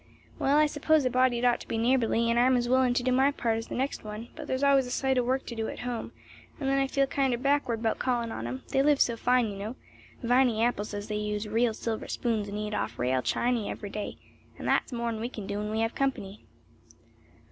"Well, I s'pose a body'd ought to be neighborly, and I'm as willin' to do my part as the next one; but there's always a sight of work to do at home; and then I feel kinder backward 'bout callin' on 'em; they live so fine, you know; Viny Apple says they use real silver spoons and eat off real chaney every day; an' that's more'n we can do when we have company."